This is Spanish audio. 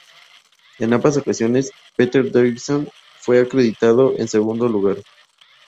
En ambas ocasiones, Peter Davison fue acreditado en segundo lugar.